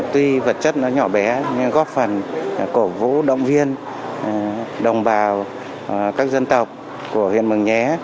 tuy vật chất nó nhỏ bé nhưng góp phần cổ vũ động viên đồng bào các dân tộc của huyện mường nhé